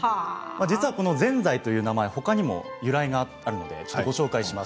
実は、このぜんざいという名前ほかにも由来があるのでご紹介します。